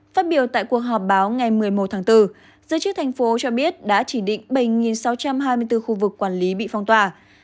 phát biểu tại cuộc họp báo ngày một mươi một tháng bốn giới chức thành phố cho biết đã chỉ định bảy sáu trăm hai mươi bốn khu vực quản lý bị phong tỏa